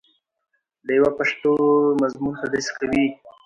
ډیوه پښتو مضمون تدریس کوي